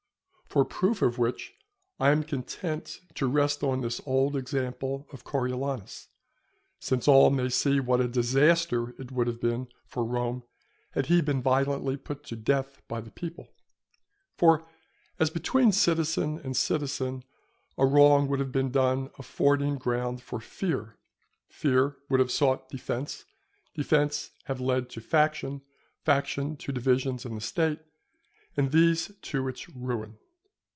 For proof of which I am content to rest on this old example of Coriolanus, since all may see what a disaster it would have been for Rome had he been violently put to death by the people. For, as between citizen and citizen, a wrong would have been done affording ground for fear, fear would have sought defence, defence have led to faction, faction to divisions in the State, and these to its ruin.